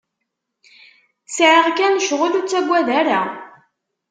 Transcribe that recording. Sɛiɣ kan cɣel, ur taggad ara.